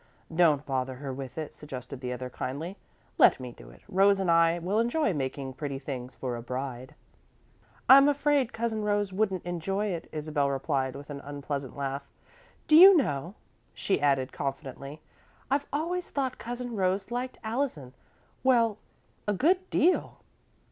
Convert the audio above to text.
"Don't bother her with it," suggested the other, kindly. "Let me do it. Rose and I will enjoy making pretty things for a bride." "I'm afraid Cousin Rose wouldn't enjoy it," Isabel replied, with an unpleasant laugh. "Do you know," she added, confidentially, "I've always thought Cousin Rose liked Allison well, a good deal."